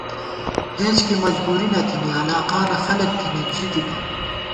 ہېچ کی مجبُوری نہ تھنی علاقانہ خلَک تھنَئیت ژِتِتہ